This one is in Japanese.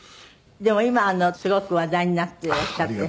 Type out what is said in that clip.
でも今すごく話題になっていらっしゃって。